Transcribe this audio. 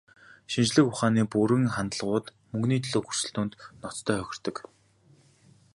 Шинжлэх ухааны бүрэг хандлагууд мөнгөний төлөөх өрсөлдөөнд ноцтой хохирдог.